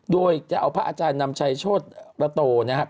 โดยจะเอาพระอาจารย์นำชัยโชธประโตนะครับ